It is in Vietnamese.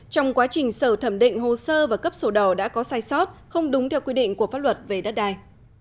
trong quá trình sở thẩm định hồ sơ và cấp sổ đỏ đã có sai sót không đúng theo quy định của pháp luật về đất đai